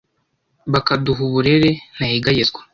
bakaduha uburere ntayegayezwa